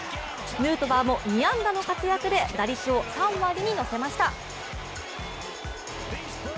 ヌートバーも２安打の活躍で打率を３割に乗せました。